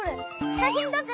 しゃしんとって！